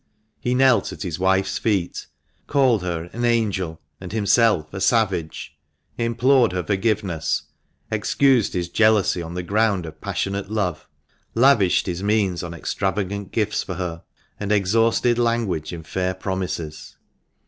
He knelt at his wife's feet, called her "an angel," and himself "a savage," implored her forgiveness, excused his jealousy on the ground of passionate love, lavished his means on extravagant gifts for her, and exhausted language in fair promises.